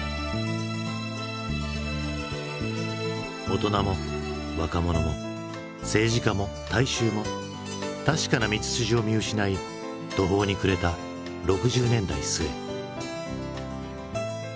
大人も若者も政治家も大衆も確かな道筋を見失い途方に暮れた６０年代末。